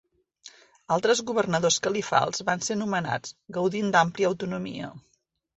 Altres governadors califals van ser nomenats, gaudint d'àmplia autonomia.